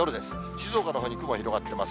静岡のほうに雲、広がってます。